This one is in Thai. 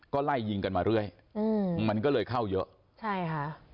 ก็ไล่ยิงกันมาเรื่อยอืมมันก็เลยเข้าเยอะใช่ค่ะ